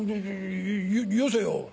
よよせよ。